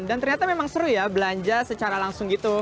dan ternyata memang seru ya belanja secara langsung gitu